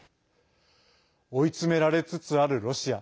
追い詰められつつあるロシア。